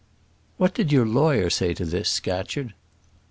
"What did your lawyer say to this, Scatcherd?"